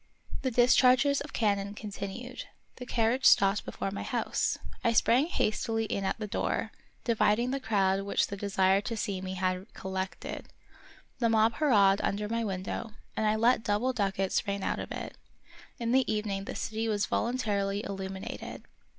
The discharges of cannon continued. The carriage stopped be fore my house. I sprang hastily in at the door, 38 The Wonderful History dividing the crowd which the desire to see me had collected. The mob hurrahed under my window, and I let double ducats rain out of it. In the evening the city was voluntarily illumi nated.